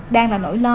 đang là nỗi lo